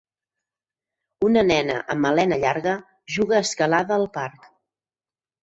Una nena amb melena llarga juga a escalada al parc.